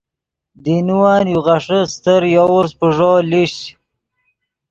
دینوّن یو غیݰے استر یوورس پیݱو لیشچ۔